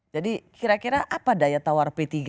jadi kira kira apa daya tawar p tiga